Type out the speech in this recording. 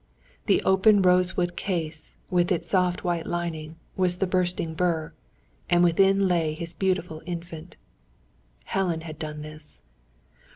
The open rosewood case, with its soft white lining, was the bursting bur; and within lay his beautiful Infant! Helen had done this.